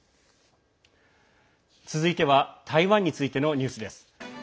続いては台湾についてのニュースです。